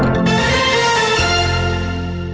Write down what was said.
สวัสดีครับ